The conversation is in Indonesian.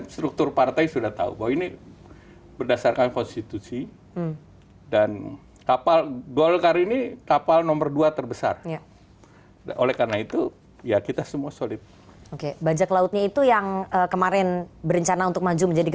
saya tidak sebut oke